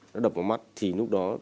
nó đập vào mắt thì lúc đó